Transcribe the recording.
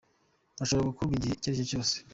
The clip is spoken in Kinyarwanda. Bishobora gukorwa igihe icyo aricyo cyose.